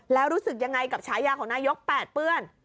แล้วรู้สึกยังไงกับฉายาของนายกแปดเปื้อน